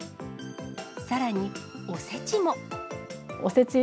さらに、おせちも。